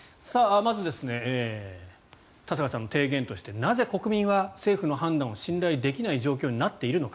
まず、田坂さんの提言としてなぜ国民は政府の判断を信頼できない状況になっているのか。